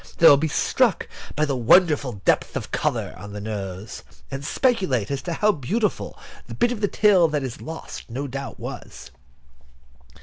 They will be struck by the wonderful depth of the colour on the nose, and speculate as to how beautiful the bit of the tail that is lost no doubt was.